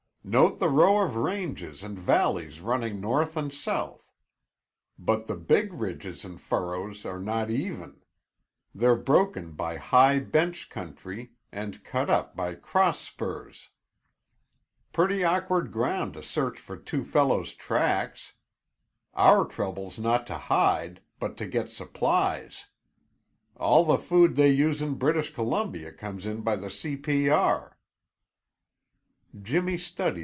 "Note the row of ranges and valleys running north and south. But the big ridges and furrows are not even; they're broken by high bench country and cut up by cross spurs. Pretty awkward ground to search for two fellows' tracks! Our trouble's not to hide, but to get supplies. All the food they use in British Columbia comes in by the C. P. R."